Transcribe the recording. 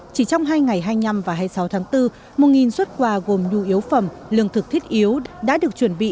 chỉ trong hai ngày hai mươi năm và hai mươi sáu tháng bốn một xuất quà gồm nhu yếu phẩm lương thực thiết yếu đã được chuẩn bị